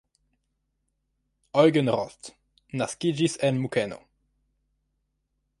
Eugen Roth naskiĝis en Munkeno.